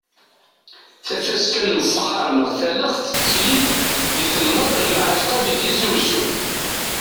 Tafaska n ufexxaṛ neɣ n talaxt tettili-d di temnaḍt n Mɛatqa di Tizi Wezzu.